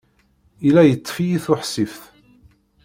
Yella yeṭṭef-iyi tuḥsift.